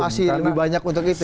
masih lebih banyak untuk itu